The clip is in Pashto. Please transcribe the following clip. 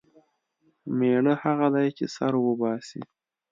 مېړه هغه دی چې سر وباسي.